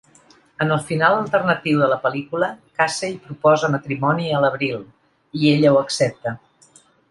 En el final alternatiu de la pel·lícula, Casey proposa matrimoni a l'Abril i ella ho accepta.